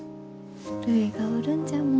るいがおるんじゃもん。